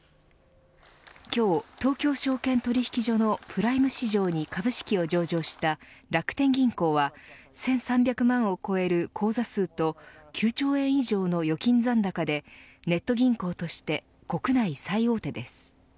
今日、東京証券取引所のプライム市場に株式を上場した楽天銀行は１３００万を超える口座数と９兆円以上の預金残高でネット銀行として国内最大手です。